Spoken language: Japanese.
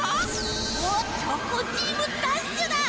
おっチョコンチームダッシュだ！